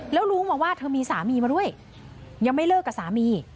แล้วรู้มาว่าเธอมีสามีมาด้วยยังไม่เลิกกับสามี